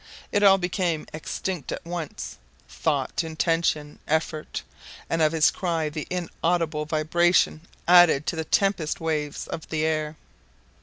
It all became extinct at once thought, intention, effort and of his cry the inaudible vibration added to the tempest waves of the air.